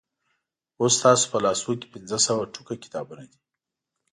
اوس ستاسو په لاسو کې پنځه سوه ټوکه کتابونه دي.